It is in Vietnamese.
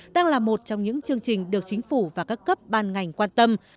đang là một trong những chương trình được chính phủ và các cấp ban ngành quan tâm